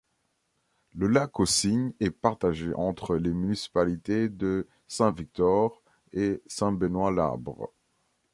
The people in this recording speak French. Le lac aux Cygnes est partagé entre les municipalités de Saint-Victor et Saint-Benoît-Labre.